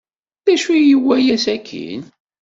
D acu ay iwala sakkin?